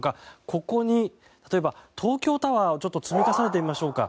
ここに、例えば東京タワーを積み重ねてみましょうか。